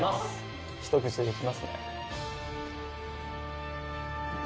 一口でいきますね。